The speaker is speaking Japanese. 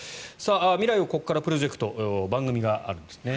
未来をここからプロジェクト番組があるんですね。